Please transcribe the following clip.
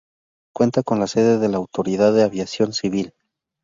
Cuenta con la sede de la Autoridad de Aviación Civil.